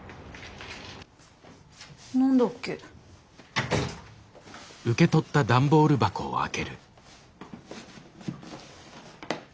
何だっけ？